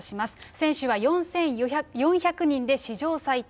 選手は４４００人で史上最多。